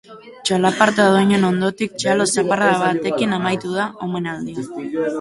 Txalaparta doinuen ondotik, txalo zaparrada batekin amaitu da omenaldia.